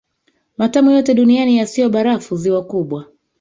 matamu yote duniani yasiyo barafu Ziwa kubwa